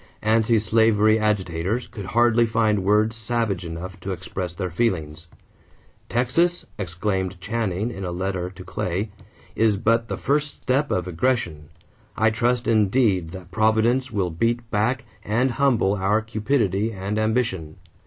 Anti slavery agitators could hardly find words savage enough to express their feelings. "Texas," exclaimed Channing in a letter to Clay, "is but the first step of aggression. I trust indeed that Providence will beat back and humble our cupidity and ambition.